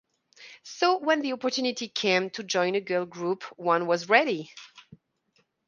So when the opportunity came to join a girl group one was ready!